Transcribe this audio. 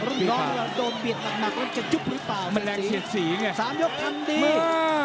ลูกน้องโดนเบียดมากต้องจะจุ๊บหรือเปล่ามันแรงเสียสีไง๓ยกทำดี